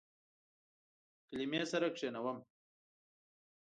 کلمې سره کښینوم